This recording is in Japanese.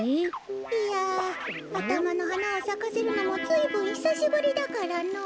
いやあたまのはなをさかせるのもずいぶんひさしぶりだからのぉ。